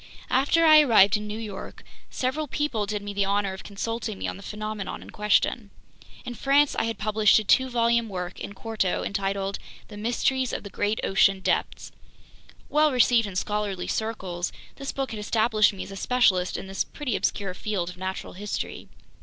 After I arrived in New York, several people did me the honor of consulting me on the phenomenon in question. In France I had published a two volume work, in quarto, entitled The Mysteries of the Great Ocean Depths. Well received in scholarly circles, this book had established me as a specialist in this pretty obscure field of natural history.